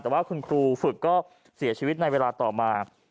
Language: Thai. แต่ว่าคุณครูฝึกก็เสียชีวิตในเวลาต่อมา